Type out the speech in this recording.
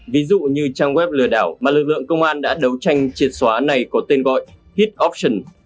ví dụ như trang web lừa đảo mà lực lượng công an đã đấu tranh triệt xóa này có tên gọi hit option